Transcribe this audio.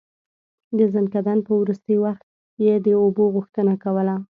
د ځنکدن په وروستی وخت يې د اوبو غوښتنه کوله.